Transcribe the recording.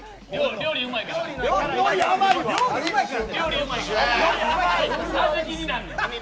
料理がうまいから。